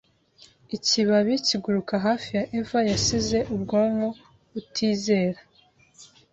Ikibabi kiguruka hafi ya Eva Yasize Ubwonko butizera